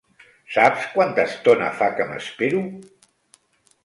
Saps quanta estona fa que m'espero?